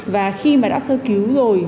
và khi mà đã sơ cứu rồi